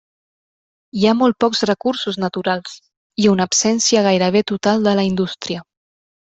Hi ha molt pocs recursos naturals, i una absència gairebé total de la indústria.